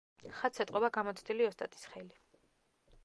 ხატს ეტყობა გამოცდილი ოსტატის ხელი.